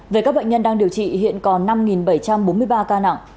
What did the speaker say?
về các bệnh nhân đang điều trị hiện còn năm bảy trăm bốn mươi ba ca nặng